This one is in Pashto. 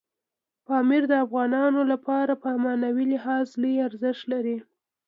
پامیر د افغانانو لپاره په معنوي لحاظ لوی ارزښت لري.